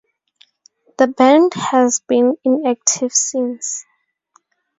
The band has been inactive since.